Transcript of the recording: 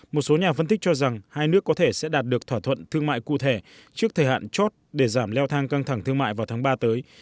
một số nhà phân tích cho rằng hai nước có thể sẽ đạt được thỏa thuận thương mại cụ thể trước thời hạn chót để giảm leo thang căng thẳng thương mại vào tháng ba tới